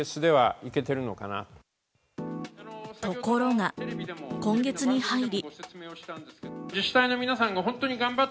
ところが今月に入り。